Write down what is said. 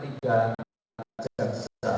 tiga maka dibebaskan dari sendiri